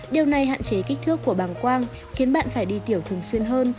điều này hạn chế kích thước của bàng quang khiến bạn phải đi tiểu thường xuyên hơn